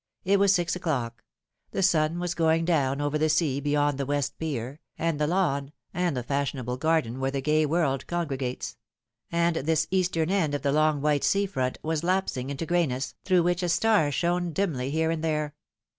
It was six o'clock ; the sun was going down over the sea beyond the West Pier, and the lawn, and the fashionable garden where the gay world con gregates ; and this eastern end of the long white sea front was lapsing into grayness, through which a star shone dimly here and there.